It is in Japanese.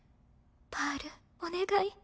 パールお願い。